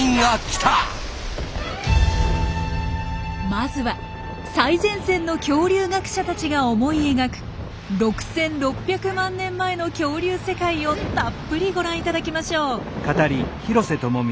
まずは最前線の恐竜学者たちが思い描く６６００万年前の恐竜世界をたっぷりご覧いただきましょう。